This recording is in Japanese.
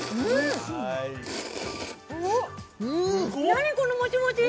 何このもちもち？